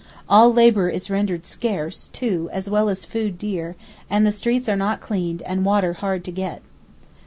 All labour is rendered scarce, too, as well as food dear, and the streets are not cleaned and water hard to get.